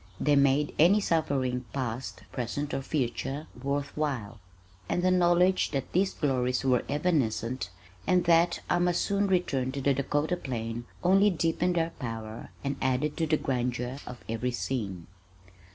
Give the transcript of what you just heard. They made any suffering past, present, or future, worth while, and the knowledge that these glories were evanescent and that I must soon return to the Dakota plain only deepened their power and added to the grandeur of every scene.